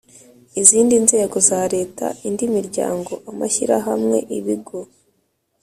izindi nzego za leta indi miryango/amashyirahamwe/ibigo...